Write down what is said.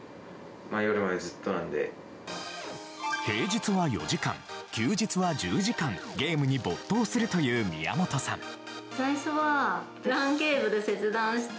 平日は４時間、休日は１０時間ゲームに没頭するという宮本さん。